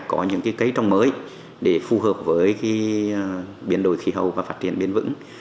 có những cây trông mới để phù hợp với biển đổi khí hậu và phát triển biên vững